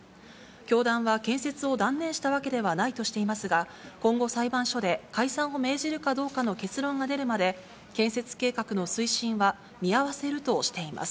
教団は建設を断念したわけではないとしていますが、今後、裁判所で解散を命じるかどうかの結論が出るまで、建設計画の推進は見合わせるとしています。